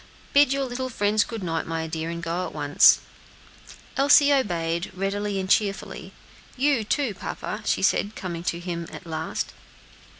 Bid your little friends good night, my dear, and go at once." Elsie obeyed, readily and cheerfully. "You, too, papa," she said, coming to him last.